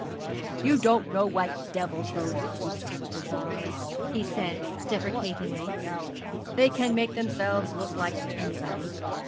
'You don't know what devils those detectives are,' he said, deprecatingly; 'they can make themselves look like anybody.